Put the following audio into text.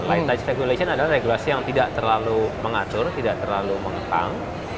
light touch regulation adalah regulasi yang tidak terlalu mengatur tidak terlalu mengekang